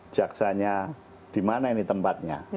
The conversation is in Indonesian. jaksanya di mana ini tempatnya